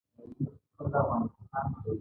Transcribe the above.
دې اقشارو ته به یې آزاد خلک ویل.